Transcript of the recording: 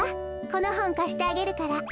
このほんかしてあげるから。